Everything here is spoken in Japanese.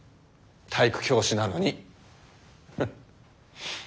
体育教師なのに。